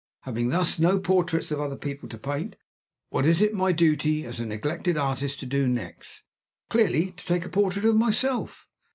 Having thus no portraits of other people to paint, what is it my duty, as a neglected artist, to do next? Clearly to take a portrait of myself."